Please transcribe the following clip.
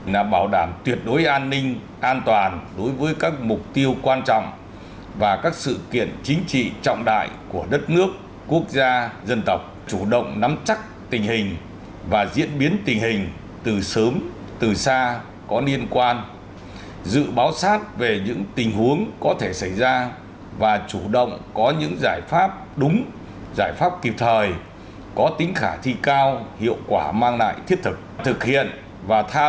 nó bảo đảm tuyệt đối an ninh an toàn đối với các mục tiêu quan trọng và các sự kiện chính trị trọng đại của đất nước quốc gia dân tộc chủ động nắm chắc tình hình và diễn biến tình hình từ sớm từ xa có liên quan dự báo sát về những tình huống có thể xảy ra và chủ động có những giải pháp đúng giải pháp kịp thời có tính khả thi cao hiệu quả mang lại thiết thực thực hiện và tham nhận